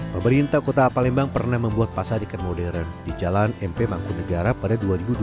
pemerintah kota palembang pernah membuat pasar ikan modern di jalan mp mangkunegara pada dua ribu dua belas